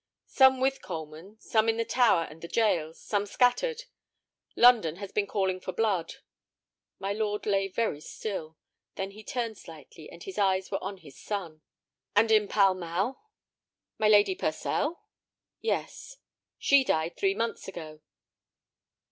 "Some with Coleman, some in the Tower and the jails, some scattered. London has been calling for blood." My lord lay very still. Then he turned slightly, and his eyes were on his son. "And in Pall Mall?" "My Lady Purcell?" "Yes." "She died three months ago."